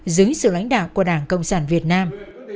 dưới sự lãnh đạo của đảng cộng sản việt nam